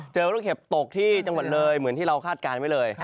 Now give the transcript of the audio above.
เจอลูกเห็บตกที่จังหวัดเลยเหมือนที่เราคาดการณ์ไว้เลย